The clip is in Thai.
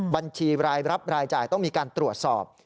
บัญชีรายรับรายจ่ายต้องมีการตรวจสอบ